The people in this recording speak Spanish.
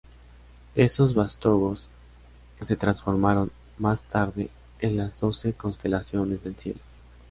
Esos vástagos se transformaron, más tarde, en las doce constelaciones del cielo.